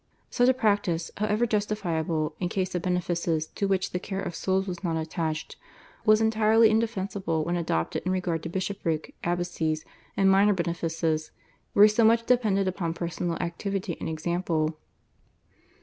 Such a practice, however justifiable in case of benefices to which the care of souls was not attached, was entirely indefensible when adopted in regard to bishopric, abbacies, and minor benefices, where so much depended upon personal activity and example.